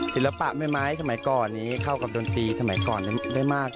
ศิลปะแม่ไม้สมัยก่อนนี้เข้ากับดนตรีสมัยก่อนได้มาก